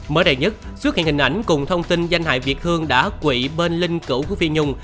mới đây nhất xuất hiện hình ảnh cùng thông tin danh hài việt hương đã quỵ bên linh cử phi nhung